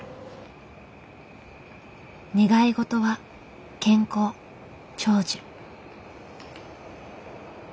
願い事は「健康長寿」。